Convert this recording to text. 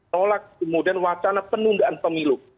nolak kemudian wacana penundaan pemilu